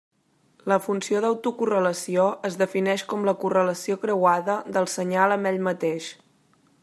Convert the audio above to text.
La funció d'autocorrelació es defineix com la correlació creuada del senyal amb ell mateix.